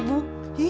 butuh uang gitu